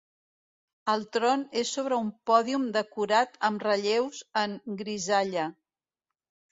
El tron és sobre un pòdium decorat amb relleus en grisalla.